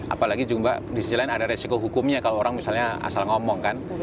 apalagi jumlah di sejalan ada resiko hukumnya kalau orang misalnya asal ngomong kan